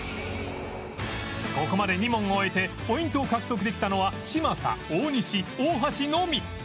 ここまで２問を終えてポイントを獲得できたのは嶋佐大西大橋のみ